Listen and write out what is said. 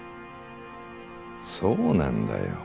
そうなんだよ